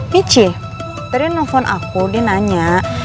michi tadi yang nelfon aku dia nanya